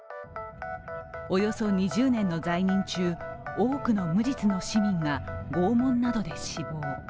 およそ２０年の在任中、多くの無実の市民が拷問などで死亡。